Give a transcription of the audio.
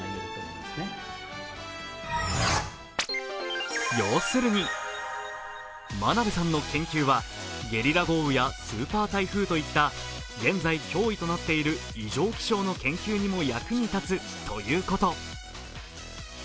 更に要するに、真鍋さんの研究はゲリラ豪雨やスーパー台風といった現在脅威となっている異常気象の研究にも役に立つということ。